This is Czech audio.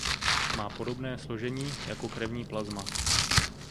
Má podobné složení jako krevní plazma.